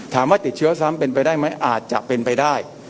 ถามว่าติดเชื้อซ้ำเป็นไปได้ไหมอาจจะเป็นไปได้